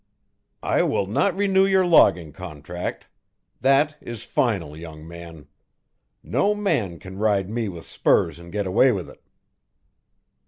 "I will not renew your logging contract. That is final, young man. No man can ride me with spurs and get away with it."